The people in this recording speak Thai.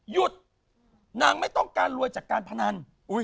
หยุดนางไม่ต้องการรวยจากการพนัน